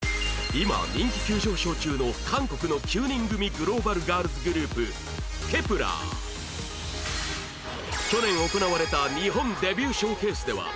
今人気急上昇中の韓国の９人組グローバルガールズグループ Ｋｅｐ１ｅｒ去年行われた日本デビューショーケースでは全